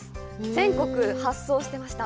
全国発送してました。